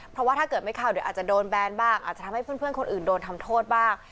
เพราะว่าถ้าเกิดไม่เข้าเดี๋ยวอาจจะโดนแบนบ้างอาจจะทำให้เพื่อนคนอื่นโดนทำโทษบ้าง